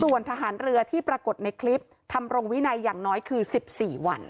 ส่วนทหารเรือที่ปรากฏในคลิปทำรงวินัยอย่างน้อยคือ๑๔วัน